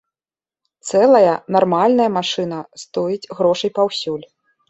Цэлая, нармальная машына стоіць грошай паўсюль!